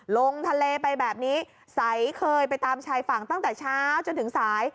ลงทะเลไปแบบนี้ใสเคยไปตามชายฝั่งตั้งแต่เช้าจนถึงสาย